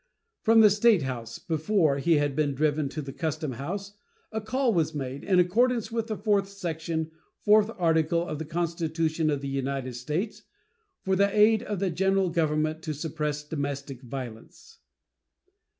From the statehouse, before he had been driven to the custom house, a call was made, in accordance with the fourth section, fourth article, of the Constitution of the United States, for the aid of the General Government to suppress domestic violence.